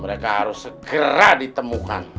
mereka harus segera ditemukan